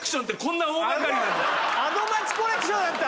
「アド街コレクション」だった。